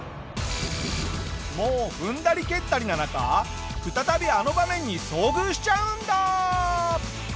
もう踏んだり蹴ったりな中再びあの場面に遭遇しちゃうんだ！